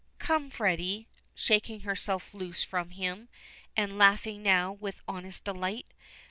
Come, Freddy," shaking herself loose from him, and laughing now with honest delight.